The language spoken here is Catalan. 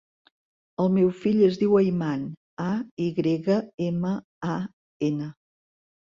El meu fill es diu Ayman: a, i grega, ema, a, ena.